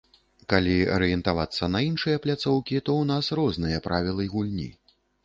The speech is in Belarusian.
Калі арыентавацца на іншыя пляцоўкі, то ў нас розныя правілы гульні.